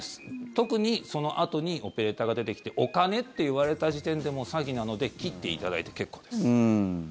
特に、そのあとにオペレーターが出てきてお金って言われた時点でもう詐欺なので切っていただいて結構です。